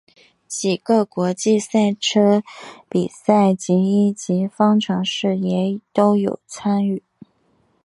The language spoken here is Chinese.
几个国际赛车比赛及一级方程式也都有参与。